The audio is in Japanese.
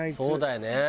そうだよね。